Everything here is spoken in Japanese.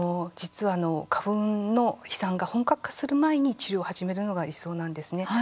花粉の飛散が本格化する前に治療を始めるのが理想なんですね。